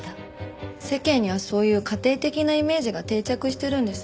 世間にはそういう家庭的なイメージが定着してるんです。